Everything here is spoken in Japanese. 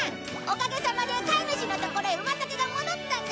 おかげさまで飼い主のところへウマタケが戻ったんだよ。